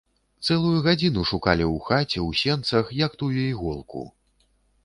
Цэлую гадзіну шукалі ў хаце, у сенцах, як тую іголку.